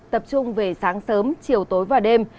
tập trung về sáng sớm chiều tối và đêm